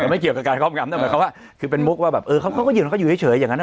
ไม่เกี่ยวกับการคลอมกลับคือเป็นมุกว่าเขาก็อยู่เฉยอย่างนั้น